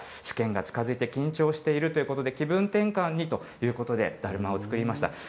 試験が近づいて緊張しているということで、気分転換にということで、だるまを作りました。